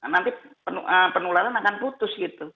nanti penularan akan putus gitu